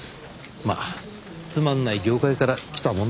まあつまんない業界から来たもんで。